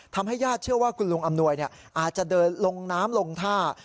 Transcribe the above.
ญาติเชื่อว่าคุณลุงอำนวยอาจจะเดินลงน้ำลงท่า